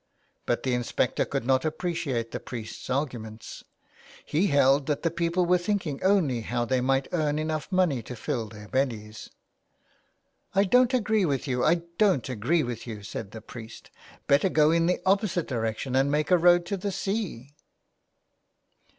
But the inspector could not appreciate the priest's arguments. He held that the people were thinking only how they might earn enough money to fill their bellies. " I don't agree with you, I don't agree with you,'* said the priest. " Better go in the opposite direction and make a road to the sea."